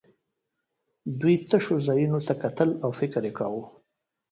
دوی تشو ځایونو ته کتل او فکر یې کاوه